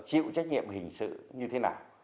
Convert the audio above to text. chịu trách nhiệm hình sự như thế nào